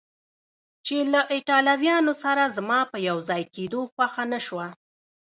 چې له ایټالویانو سره زما په یو ځای کېدو خوښه نه شوه.